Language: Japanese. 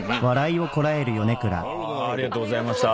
あありがとうございました。